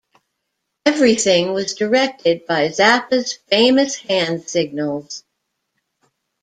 Everything was directed by Zappa's famous hand signals.